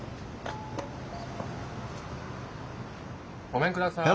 ごめんください。